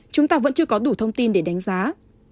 chúng ta vẫn chưa có đủ thông tin để đánh giá